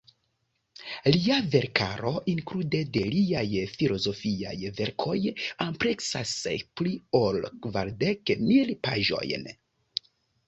Lia verkaro, inklude de liaj filozofiaj verkoj, ampleksas pli ol kvardek mil paĝojn.